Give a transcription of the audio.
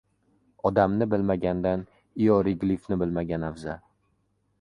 • Odamni bilmagandan ioriglifni bilmagan afzal.